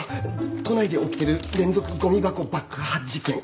都内で起きてる連続ごみ箱爆破事件。